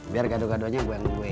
biar gaduh gaduhnya gue yang gue